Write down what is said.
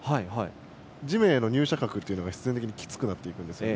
地面への入射角というのが必然的にきつくなってくるんですよね。